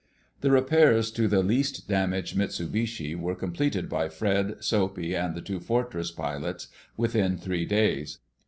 The repairs to the least damaged Mitsubishi were completed by Fred, Soapy, and the two Fortress pilots within three days.